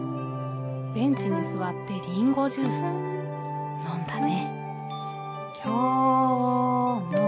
ベンチに座ってリンゴジュース飲んだね。